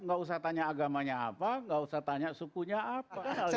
gak usah tanya agamanya apa nggak usah tanya sukunya apa